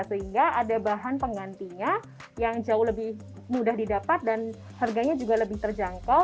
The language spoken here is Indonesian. sehingga ada bahan penggantinya yang jauh lebih mudah didapat dan harganya juga lebih terjangkau